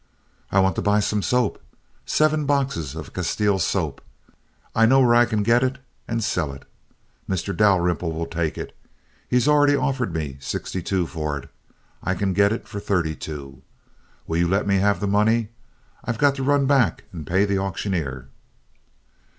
"I want to buy some soap—seven boxes of Castile soap. I know where I can get it and sell it. Mr. Dalrymple will take it. He's already offered me sixty two for it. I can get it for thirty two. Will you let me have the money? I've got to run back and pay the auctioneer."